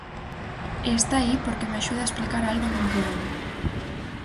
E está aí porque me axuda a explicar algo nun poema.